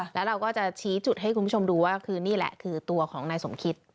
แล้วเราก็จะชี้จุดให้คุณผู้ชมดูว่าคือนี่แหละคือตัวของนายสมคิต